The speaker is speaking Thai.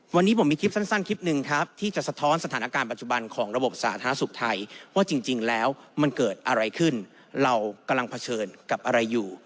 วันนี้ผมมีคลิปสั้นคลิปหนึ่งครับที่จะสะท้อนสถานการณ์ปัจจุบันของระบบสาธารณสุขไทยว่าจริงแล้วมันเกิดอะไรขึ้นเรากำลังเผชิญกับอะไรอยู่